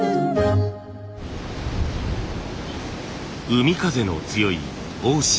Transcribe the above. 海風の強い大島。